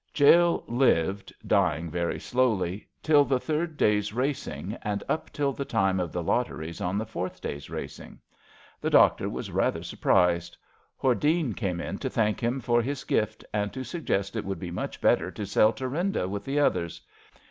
. Jale lived, dying very slowly, till the third day's racing, and up till the time of the lotteries on the fourth day's racing. The doctor was rather sur prised. Hordene came in to thank him for his gift, and to suggest it would be much better to sell Thuri/nda with the others.